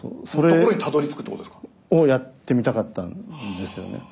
ところにたどりつくってことですか？をやってみたかったんですよね。